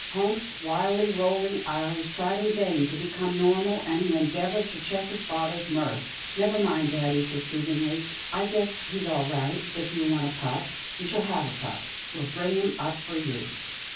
Hank's wildly rolling eyes tried in vain to become normal, and he endeavoured to check his father's mirth. " Never mind, dad," he said soothingly, " I guess he's all right. If you want a pup, you shall have a pup. We'll bring him up for you."